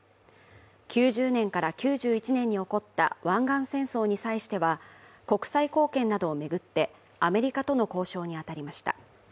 ９０年から９１年に起こった湾岸戦争に際しては国際貢献などを巡ってアメリカとの交渉に当たりました。